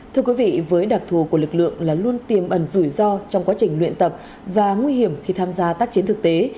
thưa quý vị với đặc thù của lực lượng là luôn tiềm ẩn rủi ro trong quá trình luyện tập và nguy hiểm khi tham gia tác chiến thực tế